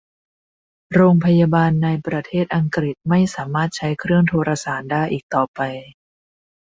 โรงพยาบาลในประเทศอังกฤษไม่สามารถใช้เครื่องโทรสารได้อีกต่อไป